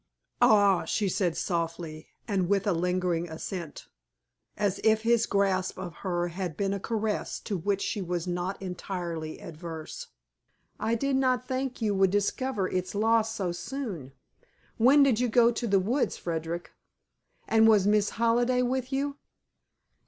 "Ah," she said softly, and with a lingering accent, as if his grasp of her had been a caress to which she was not entirely averse. "I did not think you would discover its loss so soon. When did you go to the woods, Frederick? And was Miss Halliday with you?"